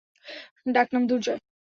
ডাক নাম দুর্জয়।